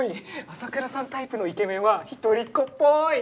麻倉さんタイプのイケメンは一人っ子ぽい。